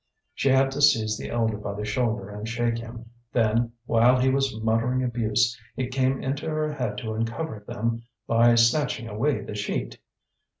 She had to seize the elder by the shoulder and shake him; then, while he was muttering abuse, it came into her head to uncover them by snatching away the sheet.